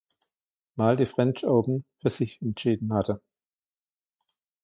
Mal die French Open für sich entschieden hatte.